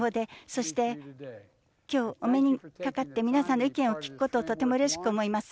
そして、今日、お目にかかって皆さんの意見を聞くことをとてもうれしく思います。